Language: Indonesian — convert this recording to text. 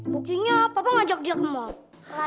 buktinya papa ngajak dia ke mal